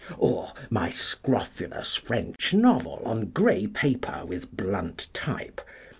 VIII. Or, my scrofulous French novel On grey paper with blunt type!